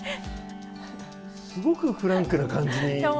すごくフランクな感じに。